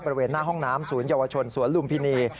บริเวณหน้าห้องน้ำศูนยวชนสวนลุมพินี